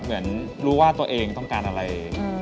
เหมือนรู้ว่าตัวเองต้องการอะไร